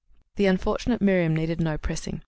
] The unfortunate Miriam needed no pressing.